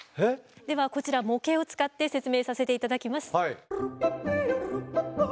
ではこちら模型を使って説明させて頂きます。